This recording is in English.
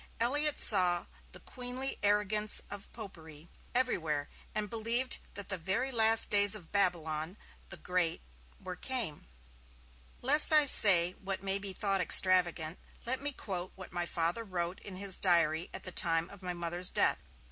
Elliott saw 'the queenly arrogance of Popery' everywhere, and believed that the very last days of Babylon the Great were came. Lest I say what may be thought extravagant, let me quote what my Father wrote in his diary at the time of my Mother's death.